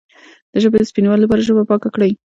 د ژبې د سپینوالي لپاره ژبه پاکه کړئ